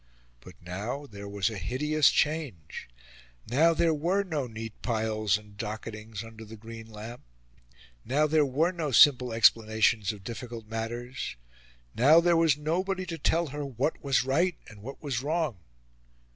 But now there was a hideous change. Now there were no neat piles and docketings under the green lamp; now there were no simple explanations of difficult matters; now there was nobody to tell her what was right and what was wrong.